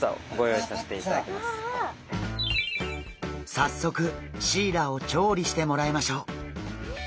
早速シイラを調理してもらいましょう。